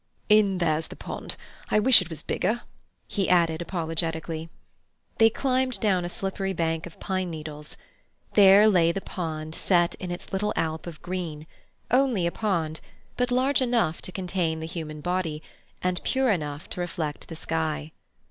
"In there's the pond. I wish it was bigger," he added apologetically. They climbed down a slippery bank of pine needles. There lay the pond, set in its little alp of green—only a pond, but large enough to contain the human body, and pure enough to reflect the sky.